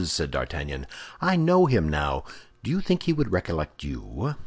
said D'Artagnan; "I know him now. Do you think he would recollect you?"